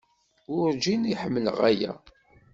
Werǧin i ḥemmleɣ aya.